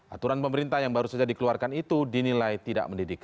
aturan pemerintah yang baru saja dikeluarkan itu dinilai tidak mendidik